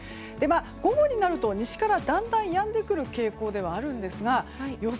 午後になると西からだんだんやんでくる傾向ではありますが予想